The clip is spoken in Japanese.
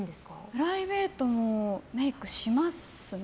プライベートもメイクしますね。